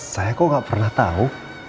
saya kok gak pernah tahu